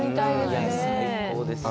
最高ですよね。